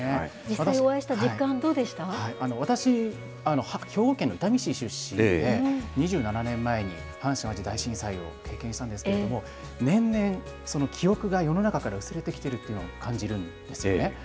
実際お会いした実感はどうで私、兵庫県の伊丹市出身で、２７年前に阪神・淡路大震災を経験したんですけれども、年々、記憶が世の中から薄れてきてるということを感じるんですよね。